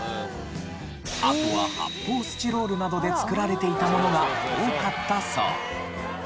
あとは発泡スチロールなどで作られていたものが多かったそう。